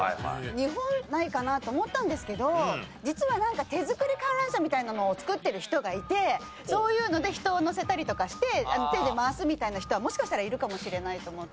日本ないかなと思ったんですけど実はなんか手作り観覧車みたいなのを作ってる人がいてそういうので人を乗せたりとかして手で回すみたいな人はもしかしたらいるかもしれないと思って。